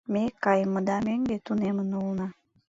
Ме, кайымыда мӧҥгӧ, тунемын улына.